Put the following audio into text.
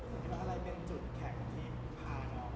อะไรเป็นจุดแข่งที่พาน้องมาถึงครอบครบในวันนี้ครับ